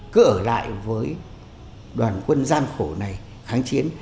cứ ở lại với đoàn quân gian khổ này kháng chiến